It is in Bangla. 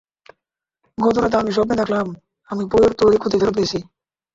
গতরাতে আমি স্বপ্নে দেখলাম, আমি পুয়ের্তো রিকোতে ফেরত গেছি।